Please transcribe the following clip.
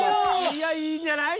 いやいいんじゃない。